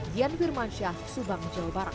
dian firmansyah subang jawa barat